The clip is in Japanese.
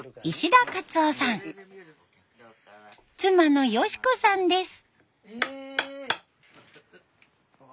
妻の嘉子さんです。